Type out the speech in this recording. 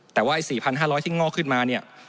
แต่ว่า๔๕๐๐ที่งอกขึ้นมาเนี่ย